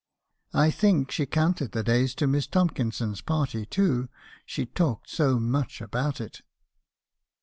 I think she counted the days to Miss Tomkinson' s party, too; she talked so much about it.